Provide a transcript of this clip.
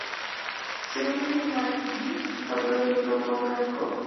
Según David McGee, autor del libro "Go, Cat, Go!